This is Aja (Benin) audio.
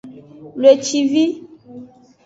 Wlecivi.